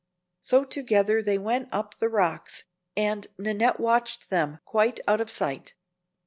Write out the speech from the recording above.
So together they went up the rocks, and Nannette watched them quite out of sight.